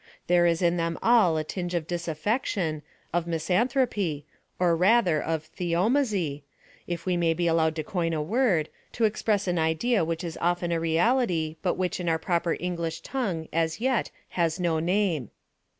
There is in them all a tinge of disaflfection, of misan thropy, or rather, of theomisey — if we may be allowed to coin a word, to express an idea which is often a reality, 3'> IN'/RODUCTl ON bui whi:h in our proper English toHgue as yet has no name.